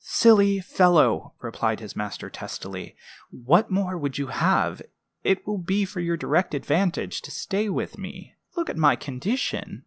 "Silly fellow!" replied his master, testily. "What more would you have? It will be for your direct advantage to stay with me. Look at my condition.